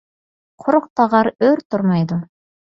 قۇرۇق تاغار ئۆرە تۇرمايدۇ.